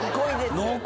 濃厚？